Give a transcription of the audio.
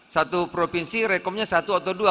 satu provinsi rekomnya satu atau dua